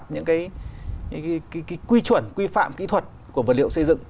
những cái quy chuẩn quy phạm kỹ thuật của vật liệu xây dựng